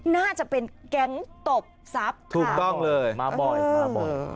น่าจะเป็นแก๊งตบทรัพย์ถูกต้องเลยมาบ่อยมาบ่อย